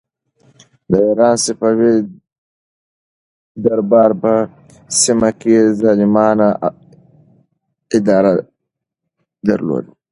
د ایران صفوي دربار په سیمه کې ظالمانه اداره درلوده.